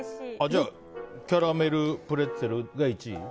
キャラメルプレッツェルが１位？